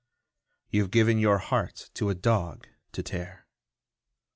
you've given your heart to a dog to tear.